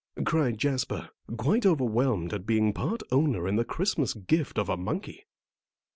cried Jasper, quite overwhelmed at being part owner in the Christmas gift of a monkey.